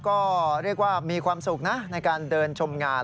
ก็เรียกว่ามีความสุขนะในการเดินชมงาน